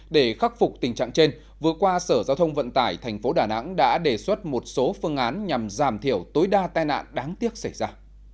để khắc phục tình trạng trên vừa qua sở giao thông vận tải tp đà nẵng đã đề xuất một số phương án nhằm giảm thiểu tối đa tai nạn đáng tiếc xảy ra